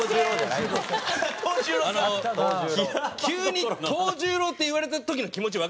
急に藤十郎って言われた時の気持ちわかります？